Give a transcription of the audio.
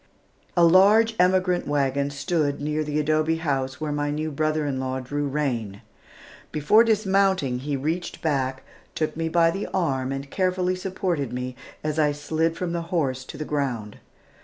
A large emigrant wagon stood near the adobe house where my new brother in law drew rein. Before dismounting, he reached back, took me by the arm and carefully supported me as I slid from the horse to the ground.